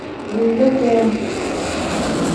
Biiza tee.